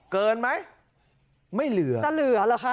เกินไหมไม่เหลือจะเหลือเหรอคะ